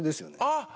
あっ！